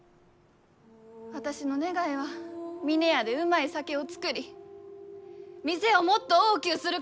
私の願いは峰屋でうまい酒を造り店をもっと大きゅうすること。